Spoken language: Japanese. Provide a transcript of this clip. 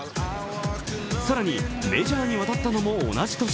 更にメジャーに渡ったのも同じ年。